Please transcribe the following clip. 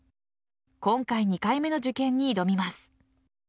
今回、２回目の受験に挑みます。